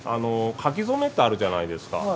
書初めってあるじゃないですか